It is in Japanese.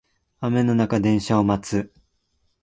雨の中電車を待つ